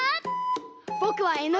ぼくはえのぐ！